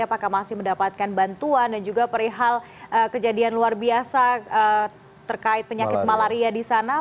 apakah masih mendapatkan bantuan dan juga perihal kejadian luar biasa terkait penyakit malaria di sana